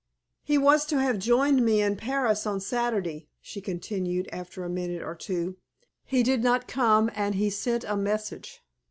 "He was to have joined me in Paris on Saturday," she continued after a minute or two. "He did not come and he sent a message.